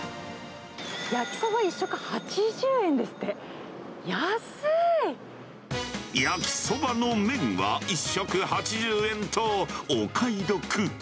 焼きそば１食８０円ですって、焼きそばの麺は１食８０円と、お買い得。